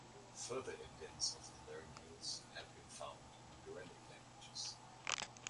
Further evidence of the laryngeals has been found in Uralic languages.